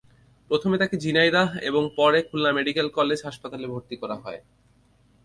প্রথমে তাঁকে ঝিনাইদহ এবং পরে খুলনা মেডিকেল কলেজ হাসপাতালে ভর্তি করা হয়।